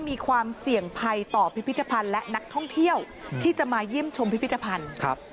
มีความเสี่ยงภัยต่อพิพิธภัณฑ์และนักท่องเที่ยวที่จะมาเยี่ยมชมพิพิธภัณฑ์ครับ